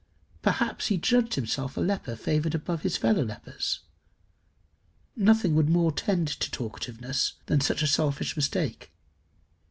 Perhaps he judged himself a leper favoured above his fellow lepers. Nothing would more tend to talkativeness than such a selfish mistake.